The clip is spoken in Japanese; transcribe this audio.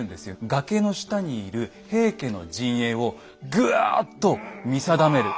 崖の下にいる平家の陣営をぐわっと見定める。